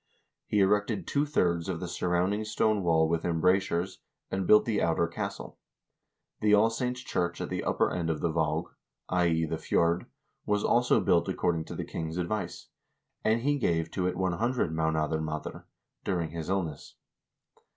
He erected two thirds of the surround ing stone wall with embrasures, and built the outer castle. The All Saints' church at the upper end of the Vaag (i.e. the fjord) was also built according to the king's advice, and he gave to it 100 mdnadrmatr during his illness.